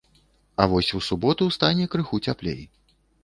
А вось у суботу стане крыху цяплей.